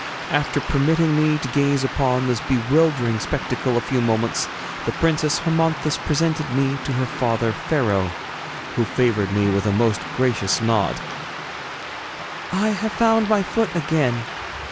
After permitting me to gaze upon this bewildering spectacle a few moments, the Princess Hermonthis presented me to her father Pharaoh, who favoured me with a most gracious nod. 'I have found my foot again!